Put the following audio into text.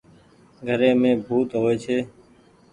گھري مي ڀوت هووي ڇي۔